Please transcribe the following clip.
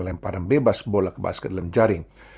lemparan bebas bola ke basket dalam jaring